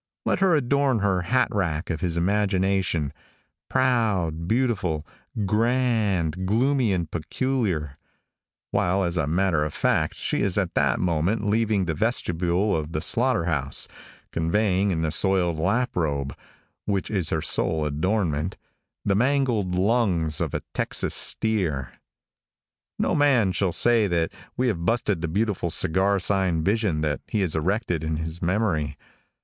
Let her adorn the hat rack of his imagination proud, beautiful, grand, gloomy and peculiar while as a matter of fact she is at that moment leaving the vestibule of the slaughter house, conveying in the soiled lap robe which is her sole adornment the mangled lungs of a Texas steer. No man shall ever say that we have busted the beautiful Cigar Sign Vision that he has erected in his memory.